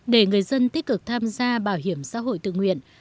để người dân tích cực tham gia bảo hiểm xã hội tự nguyện